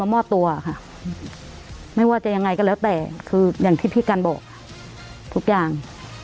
มอบตัวค่ะไม่ว่าจะยังไงก็แล้วแต่คืออย่างที่พี่กันบอกทุกอย่าง